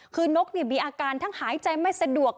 คือนกมีอาการทั้งหายใจไม่สะดวก